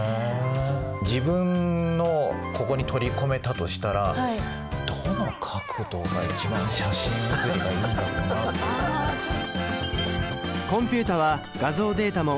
自分のをここに取り込めたとしたらどの角度が一番写真写りがいいんだろうなっていう。